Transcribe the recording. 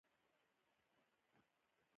جميله وخندل، ځکه فرګوسن بې منطقه شوې وه.